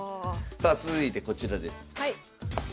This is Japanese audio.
さあ続いてこちらです。